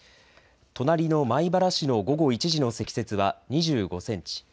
隣の米原市の午後１時の積雪は２５センチ。